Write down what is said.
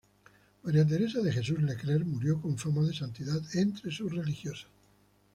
María Teresa de Jesús Le Clerc murió con fama de santidad entre sus religiosas..